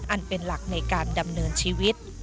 อันเป็นหลักในการดำเนินชีวิต